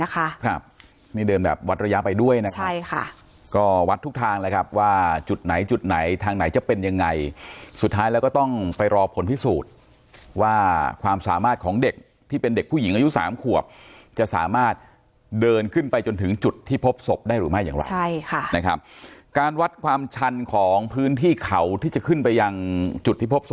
ครับนี่เดินแบบวัดระยะไปด้วยนะครับใช่ค่ะก็วัดทุกทางแล้วครับว่าจุดไหนจุดไหนทางไหนจะเป็นยังไงสุดท้ายแล้วก็ต้องไปรอผลพิสูจน์ว่าความสามารถของเด็กที่เป็นเด็กผู้หญิงอายุสามขวบจะสามารถเดินขึ้นไปจนถึงจุดที่พบศพได้หรือไม่อย่างไรใช่ค่ะนะครับการวัดความชันของพื้นที่เขาที่จะขึ้นไปยังจุดที่พบศพ